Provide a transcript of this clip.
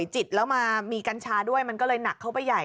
จิตแล้วมามีกัญชาด้วยมันก็เลยหนักเข้าไปใหญ่